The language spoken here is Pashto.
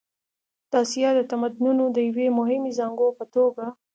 د اسیا د تمدنونو د یوې مهمې زانګو په توګه.